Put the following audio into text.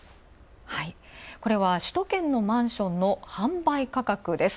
これは首都圏のマンションの販売価格です。